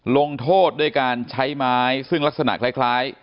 ลงโทษด้วยการใช้ไม้ซึ่งลักษณะคล้าย